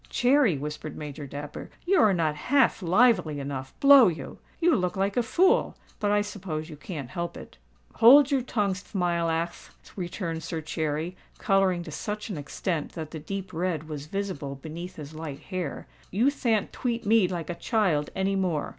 "Cherry," whispered Major Dapper, "you are not half lively enough—blow you! You look like a fool—but I suppose you can't help it." "Hold your tongue, Thmilackth," returned Sir Cherry, colouring to such an extent that the deep red was visible beneath his light hair. "You than't tweat me like a child any more."